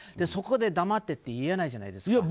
そこで黙ってって言えないじゃないですか。